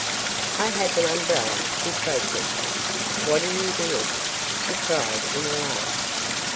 "I have an umbrella," she protested. "What are you doing?" she cried in alarm.